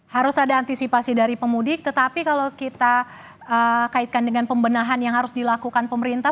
harus ada antisipasi dari pemudik tetapi kalau kita kaitkan dengan pembenahan yang harus dilakukan pemerintah